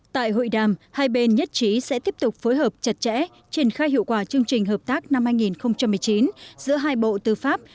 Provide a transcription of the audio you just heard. tại hội đàm hai bên nhất trí sẽ tiếp tục phối hợp chặt chẽ triển khai hiệu quả chương trình hợp tác năm hai nghìn một mươi chín giữa hai bộ tư pháp